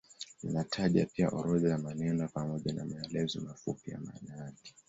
Inataja pia orodha ya maneno pamoja na maelezo mafupi ya maana yake.